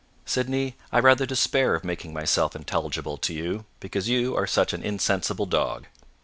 "Sydney, I rather despair of making myself intelligible to you, because you are such an insensible dog."